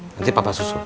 nanti papa susun